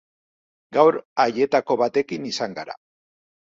Gaur haietako batekin izan gara.